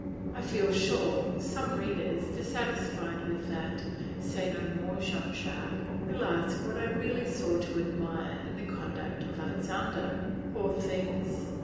I feel sure some readers dissatisfied with that "Say no more, Jean Jacques," will ask what I really saw to admire in the conduct of Alexander. Poor things!